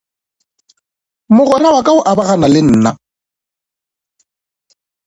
Mogwera wa ka o abagana le nna.